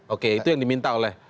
oke itu yang diminta oleh